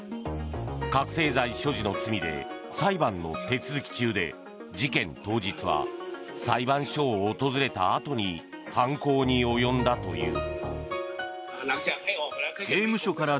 覚醒剤所持の罪で裁判の手続き中で事件当日は裁判所を訪れたあとに犯行に及んだという。